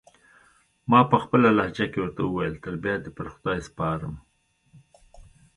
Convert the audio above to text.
ما پخپله لهجه کې ورته وویل: تر بیا دې پر خدای سپارم.